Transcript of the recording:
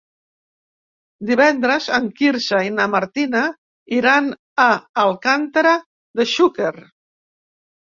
Divendres en Quirze i na Martina iran a Alcàntera de Xúquer.